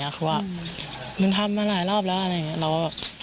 คือว่ามึงทำมาหลายรอบแล้ว